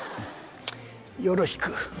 よろしく。